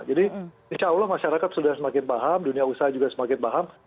jadi insya allah masyarakat sudah semakin paham dunia usaha juga semakin paham